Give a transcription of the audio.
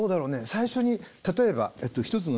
最初に例えば１つの例ね。